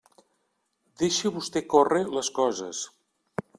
Deixe vostè córrer les coses.